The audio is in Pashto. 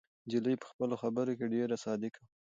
نجلۍ په خپلو خبرو کې ډېره صادقه وه.